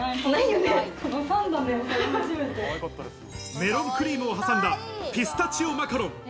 メロンクリームを挟んだピスタチオマカロン。